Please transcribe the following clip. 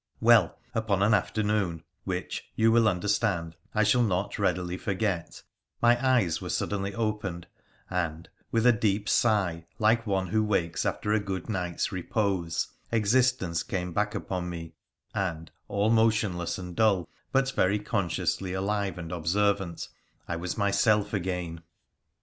Well, upon an afternoon — which, you will understand, I shall not readily forget — my eyes were suddenly opened, and, with a deep sigh, like one who wakes after a good night's repose, existence came back upon me, and, all motionless and dull, but very con sciously alive and observant, I was myself again.